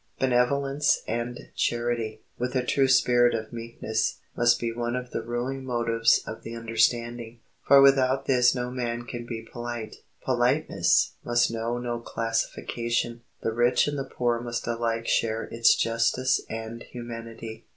Benevolence and charity, with a true spirit of meekness, must be one of the ruling motives of the understanding; for without this no man can be polite. Politeness must know no classification; the rich and the poor must alike share its justice and humanity.